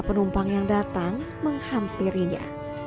penumpang yang datang menghampirinya